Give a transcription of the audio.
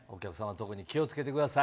特に気を付けてください。